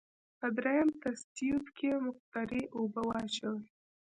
په دریم تست تیوب کې مقطرې اوبه واچوئ.